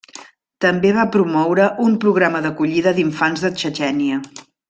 També va promoure un programa d'acollida d'infants de Txetxènia.